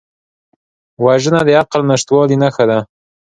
وژنه د عقل نشتوالي نښه ده